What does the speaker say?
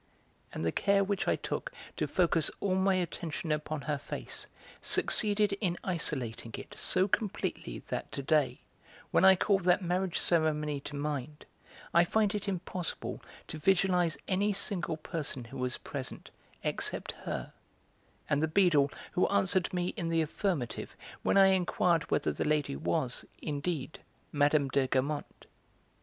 And the care which I took to focus all my attention upon her face succeeded in isolating it so completely that to day, when I call that marriage ceremony to mind, I find it impossible to visualise any single person who was present except her, and the beadle who answered me in the affirmative when I inquired whether the lady was, indeed, Mme. de Guermantes.